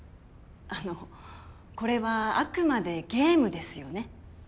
あのこれはあくまでゲームですよね？